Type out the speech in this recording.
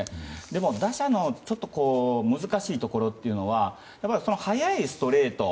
でも打者の難しいところというのは速いストレート